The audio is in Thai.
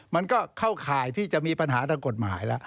มันก็เข้าข่ายที่จะมีปัญหาทางกฎหมายแล้ว